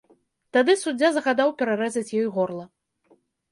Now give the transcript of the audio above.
Тады суддзя загадаў перарэзаць ёй горла.